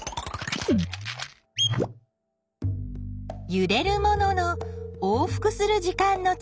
ゆれるものの往復する時間のちがい。